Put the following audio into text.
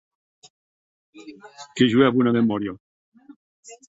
Que jo è bona memòria.